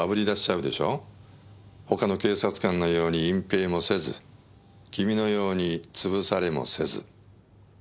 他の警察官のように隠ぺいもせず君のように潰されもせず。